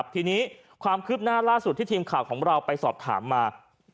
ทีนี้ความคืบหน้าล่าสุดที่ทีมข่าวของเราไปสอบถามมา